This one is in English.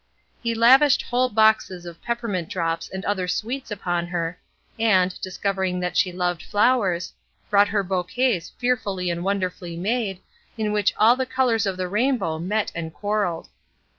He lavished whole boxes of peppermint drops and other sweets upon her, and, discovering that she loved flowers, brought her bouquets fearfully and wonderfully made, in which all the colors of the rainbow met and quarrelled.